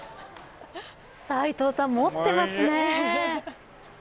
齋藤さん、持ってますね！